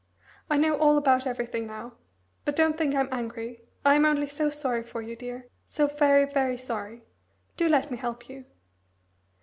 I know all about everything now. But don't think I'm angry I am only so sorry for you, dear so very, very sorry. Do let me help you."